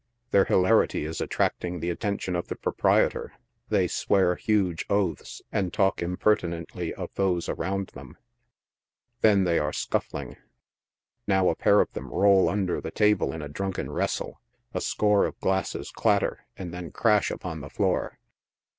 Their hilarity is attracting the attention of tbe proprietor; they swear huge oaths and talk impertinently of those around them — then they are scuffling — now a pair of them roll under tbe table in a drunken wrestle — a score of glasses clatter and then crash upon tbe floor.